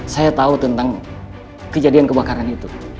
saya tahu tentang kejadian kebakaran itu